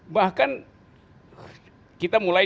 bahkan kita mulai dua ribu lima belas